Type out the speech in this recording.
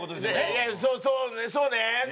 いやそうそうね。